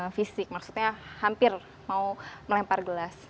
fisik maksudnya hampir mau melempar gelas